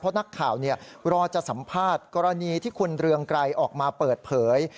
เพราะนักข่าวรอจะสัมภาษณ์กรณีที่คุณเรืองไกรออกมาเปิดเผย